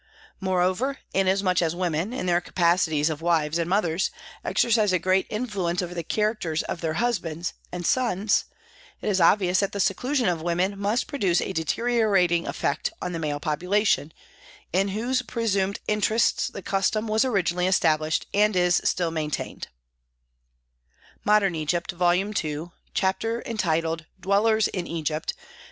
... Moreover, inasmuch as women, in their capacities of wives and mothers, exercise a great influence over the characters of their husbands and sons, it is obvious that the seclusion of women must produce a deteriorating effect on the male popula tion, in whose presumed interests the custom was originally established, and is still maintained "(" Modern Egypt," Vol. II., chapter entitled "Dwellers in Egypt," pp.